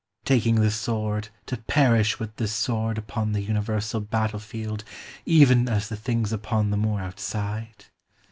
9 Taking the sword, to perish with the sword Upon the universal battlefield, Even as the things upon the moor outside